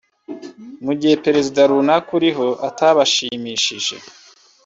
mu gihe Perezida runaka uriho atabashimishije